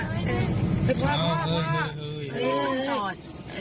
เดินกันจ่อน